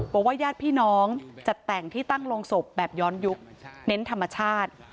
บอกว่ายาดพี่น้องจะแต่งที่ตั้งลงศพแบบย้อนยุคเน้นธรรมชาติ